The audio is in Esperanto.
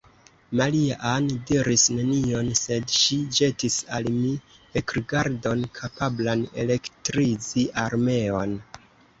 Maria-Ann diris nenion; sed ŝi ĵetis al mi ekrigardon, kapablan elektrizi armeon.